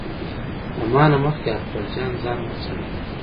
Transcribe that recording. له ما نه مخکې اکبر جان ځان وڅانډه.